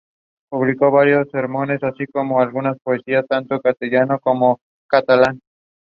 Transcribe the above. At that time large number goats are offered to the deity.